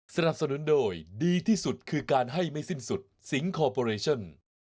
สนับสนุนโดยดีที่สุดคือการให้ไม่สิ้นสุดสิงคอร์ปอเรชั่น